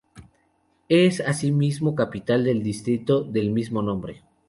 Es asimismo capital del distrito del mismo nombre.